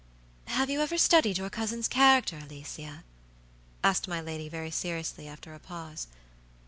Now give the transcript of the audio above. "Have you ever studied your cousin's character, Alicia?" asked my lady, very seriously, after a pause.